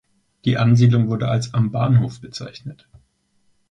Die Ansiedlung wurde als „Am Bahnhof“ bezeichnet.